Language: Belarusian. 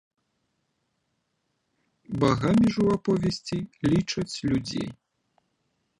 Багамі ж у аповесці лічаць людзей.